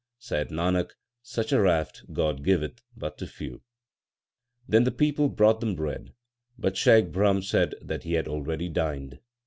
Saith Nanak, such a raft God giveth but to few. 3 Then the people brought them bread, but Shaikh Brahm said that he had already dined.